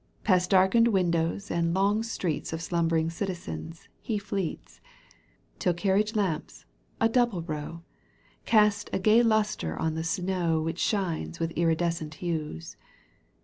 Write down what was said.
Past darkened windows and long streets Of slumbering citizens he fleets. Tin carriage lamps, a double i4)w, Cast a gay lustre on the snow, Which shines with iridescent hues.